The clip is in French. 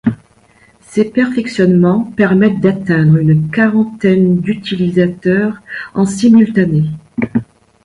Ces perfectionnements permettent d'atteindre une quarantaine d'utilisateurs en simultané.